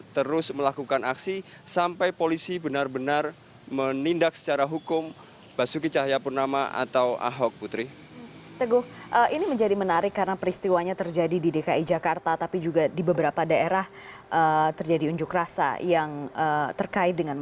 teguh apa persisnya tuntutan yang mereka sampaikan